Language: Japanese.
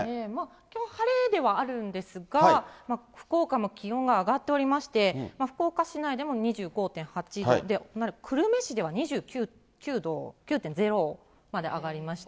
きょう、晴れではあるんですが、福岡も気温が上がっておりまして、福岡市内でも２５．８度、久留米市では２９．０まで上がりました。